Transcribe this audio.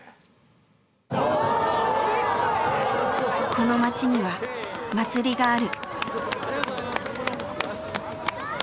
この町には祭りがある。